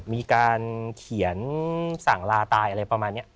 มีการเขียนสั่งลาตายอะไรประมาณนี้